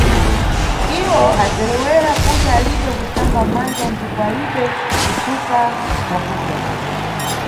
Iwe azerewera kudya alibe kusamba manja ndipo alibe kutsuka bzakudya.